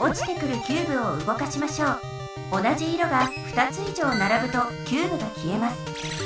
同じ色が２つ以上ならぶとキューブが消えます。